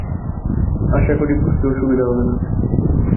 আশা করি কারো বুঝতে অসুবিধা হবে না।